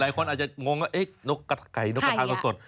หลายคนอาจจะงงว่านกไก่นกกระทะสด